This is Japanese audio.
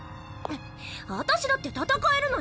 私だって戦えるのに！